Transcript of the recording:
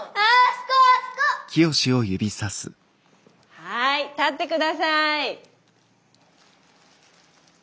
はい立ってください。